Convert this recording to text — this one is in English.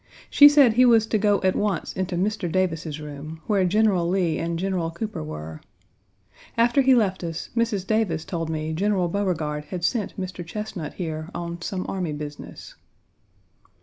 She said he was to go at once into Mr. Davis's room, where General Lee and General Cooper were. After he left us, Mrs. Davis told me General Beauregard had sent Mr. Chesnut here on , some army business.